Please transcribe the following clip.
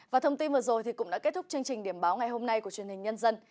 và thông tin vừa rồi cũng đã kết thúc chương trình điểm báo ngày hôm nay của truyền hình nhân dân